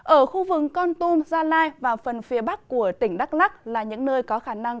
ở khu vực con tum gia lai và phần phía bắc của tỉnh đắk lắc là những nơi có khả năng